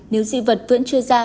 nếu dị vật vẫn chưa ra